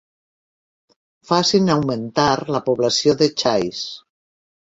Facin augmentar la població de xais.